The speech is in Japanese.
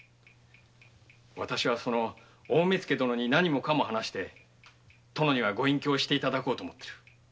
わたしは大目付殿に何もかも話して殿にはご隠居していただこうと思っている。